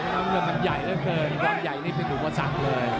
เพราะมันใหญ่ไปเคิลพร้อมใหญ่ให้เป็นอุปสรรคเลย